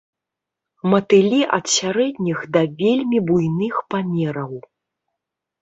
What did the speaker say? Матылі ад сярэдніх да вельмі буйных памераў.